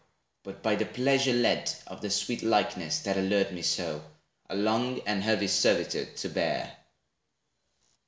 But by the pleasure led, Of that sweet likeness, that allured me so, A long and heavy servitude to bear.